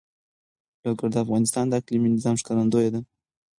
لوگر د افغانستان د اقلیمي نظام ښکارندوی ده.